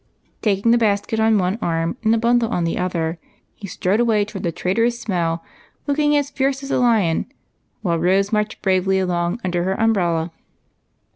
Taking the basket on one arm and the bundle on the other, he strode away toward the traitorous smell, looking as fierce as a lion, while Rose marched behind under her umbrella.